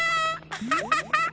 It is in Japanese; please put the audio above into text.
アハハハ！